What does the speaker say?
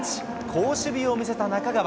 好守備をみせた中川。